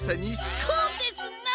こうですな。